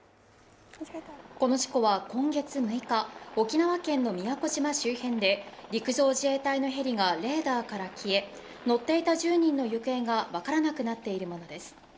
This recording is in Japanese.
この事故は今月６日、沖縄県の宮古島周辺で陸上自衛隊のヘリがレーダーから消え乗っていた１０人の行方が分からなくなっているものです。